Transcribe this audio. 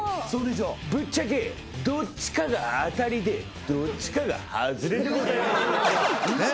ぶっちゃけどっちかが当たりでどっちかが外れ。